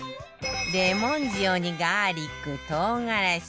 レモン塩にガーリック唐辛子